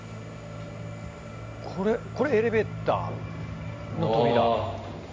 これこれエレベーターの扉。